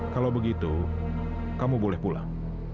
kalau begitu kamu boleh pulang